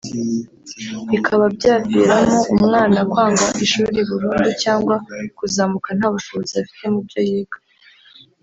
bikaba byaviramo umwana kwanga ishuri burundu cyangwa kuzamuka nta bushobozi afite mubyo yiga